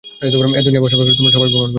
এই দুনিয়ায় বসবাসকারী তোমরা সবাই ভ্রমণ করছো।